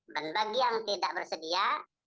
dan bagi yang tidak bersedia